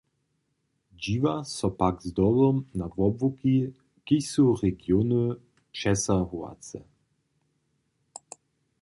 Dźiwa so pak zdobom na wobłuki, kiž su regiony přesahowace.